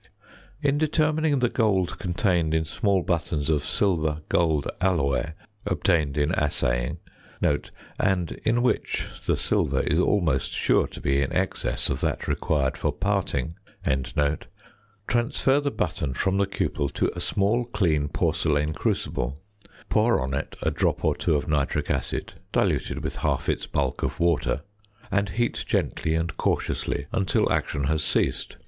In determining the gold contained in small buttons of silver gold alloy obtained in assaying (and in which the silver is almost sure to be in excess of that required for parting), transfer the button from the cupel to a small clean porcelain crucible; pour on it a drop or two of nitric acid (diluted with half its bulk of water), and heat gently and cautiously until action has ceased.